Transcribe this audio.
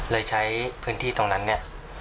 เลยใช้พื้นที่ตรงนั้นเนี่ย